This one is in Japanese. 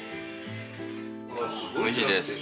おいしいです。